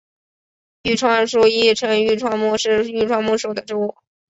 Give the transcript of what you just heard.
愈创树亦称愈创木是愈创木属的植物。